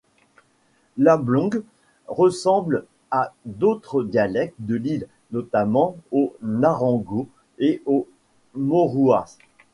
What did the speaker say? L'amblong ressemble à d'autres dialectes de l'île, notamment au narango et au morouas.